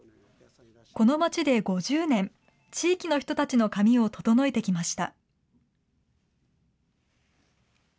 この街で５０年、地域の人たちの髪を整えてきました。